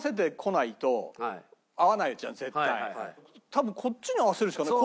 多分こっちに合わせるしかない。